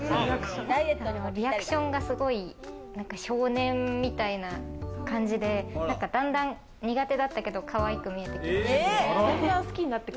リアクションがすごい、少年みたいな感じで、だんだん苦手だったけど、かわいく見えてきました。